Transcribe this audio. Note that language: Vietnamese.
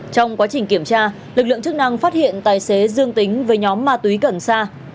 trong quá trình kiểm tra lực lượng chức năng phát hiện tài xế dương tính với nhóm ma túy cần xa